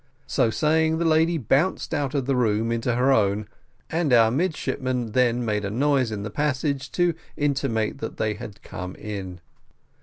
So saying, the lady bounced out of the room into her own, and our midshipmen then made a noise in the passage, to intimate that they had come in.